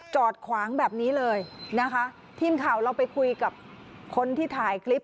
จอดขวางแบบนี้เลยนะคะทีมข่าวเราไปคุยกับคนที่ถ่ายคลิป